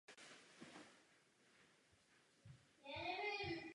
V tomto smyslu tedy euro úspěšně prošlo zkouškou.